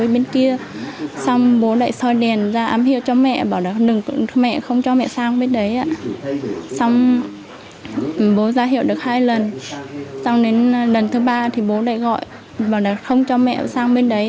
bố ra hiệu được hai lần sau đến lần thứ ba thì bố lại gọi bảo là không cho mẹ sang bên đấy